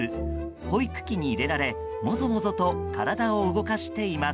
保育器に入れられもぞもぞと体を動かしています。